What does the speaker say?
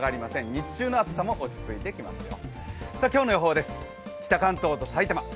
日中の暑さも落ち着いてきますよ。